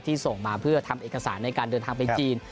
ส่งมาเพื่อทำเอกสารในการเดินทางไปจีน